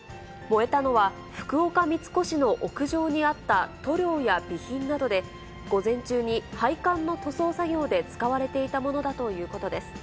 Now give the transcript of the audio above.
燃えたのは、福岡三越の屋上にあった塗料や備品などで、午前中に配管の塗装作業で使われていたものだということです。